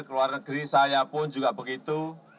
keluar negeri saya pun juga begitu